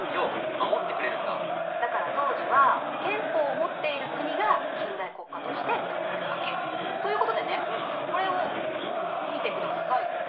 だから当時は憲法を持っている国が近代国家として認められたわけ。ということでねこれを見てください。